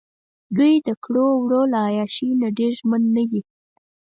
دوۍ دکړو وړو له عیاشۍ نه ډېر ژمن نه دي.